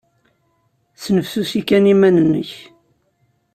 Snefsusi kan iman-nnek.